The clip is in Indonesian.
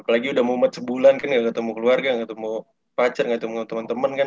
apalagi udah mumet sebulan kan gak ketemu keluarga gak ketemu pacar gak ketemu teman teman kan